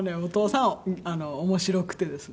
お父さん面白い？